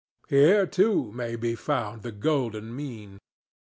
Here, too, may be found the golden mean.